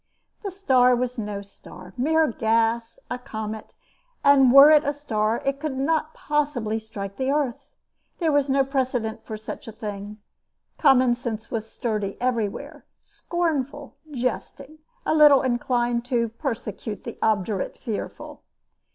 The star was no star mere gas a comet; and were it a star it could not possibly strike the earth. There was no precedent for such a thing. Common sense was sturdy everywhere, scornful, jesting, a little inclined to persecute the obdurate fearful.